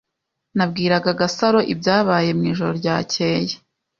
Nabwiraga Gasaro ibyabaye mwijoro ryakeye.